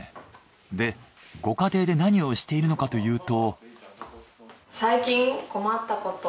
でご家庭で何をしているのかというと。